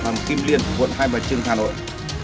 hầm kim liên quận hai bà trưng hà nội